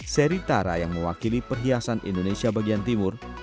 seri tara yang mewakili perhiasan indonesia bagian timur